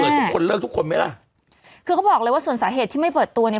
ทุกคนเลิกทุกคนไหมล่ะคือเขาบอกเลยว่าส่วนสาเหตุที่ไม่เปิดตัวเนี้ย